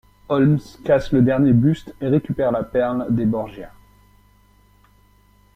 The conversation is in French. Holmes casse le dernier buste et récupère la perle des Borgia.